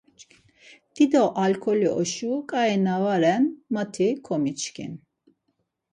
Dido alkoli oşu ǩai na va ren mati komiçkin.